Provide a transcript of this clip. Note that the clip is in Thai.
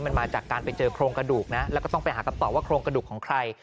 มันมาจากการไปเจอโครงกระดูกนะแล้วก็ต้องไปหาคำตอบว่าโครงกระดูกของใคร